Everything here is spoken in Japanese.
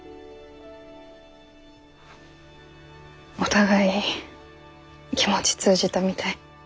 お互い気持ち通じたみたい。